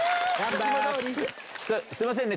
すいませんね。